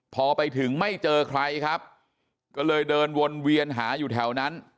พอไปถึงไม่เจอใครครับก็เลยเดินวนเวียนหาอยู่แถวนั้น